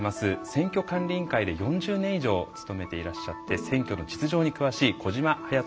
選挙管理委員会で４０年以上勤めていらっしゃって選挙の実情に詳しい小島勇人さんです。